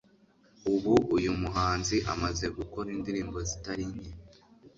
Ubu uyu muhanzi amaze gukora indirimbo zitari nke